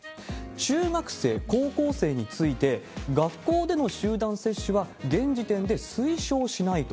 中学生、高校生について、学校での集団接種は現時点で推奨しないと。